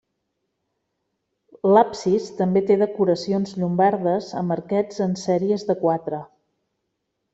L'absis també té decoracions llombardes amb arquets en sèries de quatre.